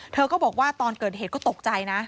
เธอก็บอกว่าตอนเกิดเหตุก็ตกใจนะ